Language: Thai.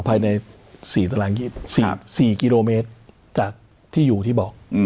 ภายใน๔กิโลเมตรจากที่อยู่ที่บอก